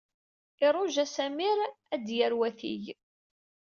Iṛuja Sami ar d-yader watig.